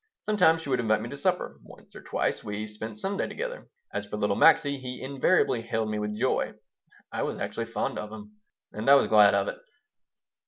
Sometimes she would invite me to supper; once or twice we spent Sunday together. As for little Maxie, he invariably hailed me with joy. I was actually fond of him, and I was glad of it.